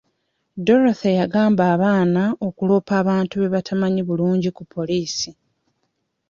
Dorothy yagamba abaana okuloopa abantu be batamanyi bulungi ku poliisi.